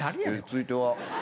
続いては。